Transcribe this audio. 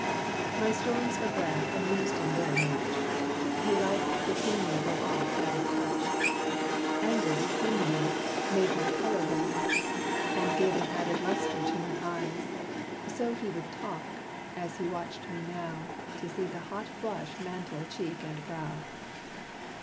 My storms of wrath amused him very much: He liked to see me go off at a touch; Anger became me made my color rise, And gave an added luster to my eyes. So he would talk and so he watched me now, To see the hot flush mantle cheek and brow.